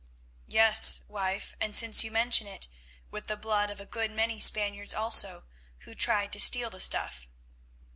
"Yes, wife, and since you mention it, with the blood of a good many Spaniards also, who tried to steal the stuff.